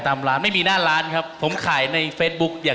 คุณเห็นอย่างงี้นะครับอาชีพก็คือผัดหนูขาย